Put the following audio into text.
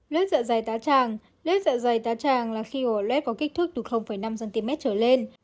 hai lết dọa dày tá tràng lết dọa dày tá tràng là khi hổ lết có kích thước từ năm cm trở lên